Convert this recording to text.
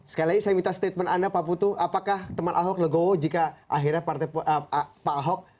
sekali lagi saya minta statement anda pak putu apakah teman ahok legowo jika akhirnya partai pak ahok